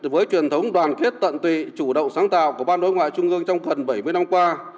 với truyền thống đoàn kết tận tụy chủ động sáng tạo của ban đối ngoại trung ương trong gần bảy mươi năm qua